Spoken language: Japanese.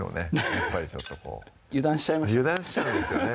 やっぱりちょっとこう油断しちゃいました油断しちゃうんですよね